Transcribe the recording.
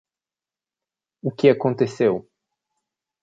O que aconteceu